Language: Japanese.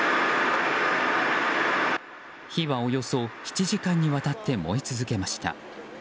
火はおよそ７時間にわたって燃え続けました。